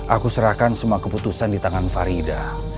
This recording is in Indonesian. aku serahkan semua keputusan di tangan farida